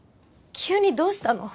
急にどうしたの？